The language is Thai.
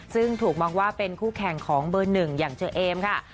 ซึ่งถูกมองว่าเป็นคู่แข่งของเบอร์หนึ่งอย่างเชอเอมค่ะ